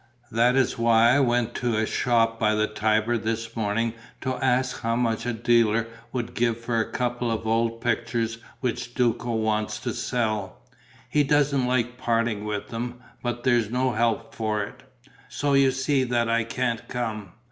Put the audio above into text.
That is why I went to a shop by the Tiber this morning to ask how much a dealer would give for a couple of old pictures which Duco wants to sell. He doesn't like parting with them, but there's no help for it. So you see that I can't come.